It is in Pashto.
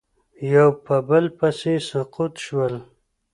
یو په بل پسې سقوط شول